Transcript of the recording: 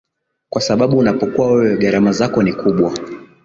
kwa sababu unapokuwa wewe gharama zako ni kubwa